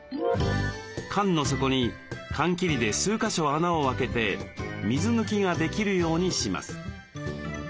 缶の底に缶切りで数か所穴を開けて水抜きができるようにします。